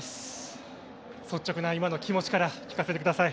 率直な今の気持ちから聞かせてください。